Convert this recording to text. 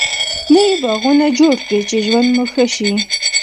نوي باغوانه جوړ کړي چی ژوند مو ښه سي